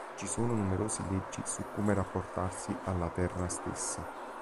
Ci sono numerose leggi su come rapportarsi alla Terra stessa.